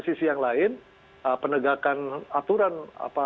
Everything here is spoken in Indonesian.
sisi yang lain penegakan aturan